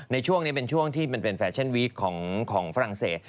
ในช่วงนี้เป็นช่วงที่มันเป็นแฟชั่นวีคของฝรั่งเศส